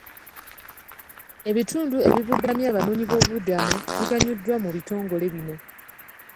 Ebitundu ebibudamya abanoonyi b'obubuddamu biganyuddwa mu bitongole bino.